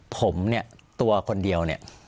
ผมนี้ตัวคนเดียวนี้